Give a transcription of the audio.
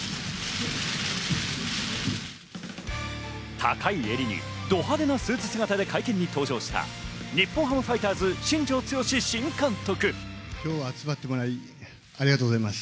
高い襟にど派手なスーツ姿で会見に登場した日本ハムファイターズ・新庄剛志新監督。